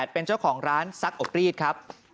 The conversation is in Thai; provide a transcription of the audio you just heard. เป็นเจ้าของร้านซักอบรีดครับ